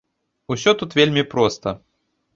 Усё тут вельмі проста.